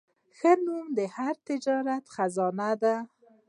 ښه نوم د هر تجارت خزانه ده.